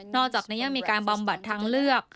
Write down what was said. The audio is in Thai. อกจากนี้ยังมีการบำบัดทางเลือก